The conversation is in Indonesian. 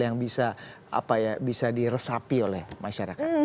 yang bisa diresapi oleh masyarakat